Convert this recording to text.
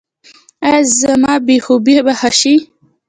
ایا زما بې خوبي به ښه شي؟